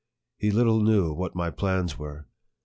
He little knew what my plans were.